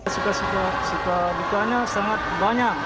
suka suka suka bukanya sangat banyak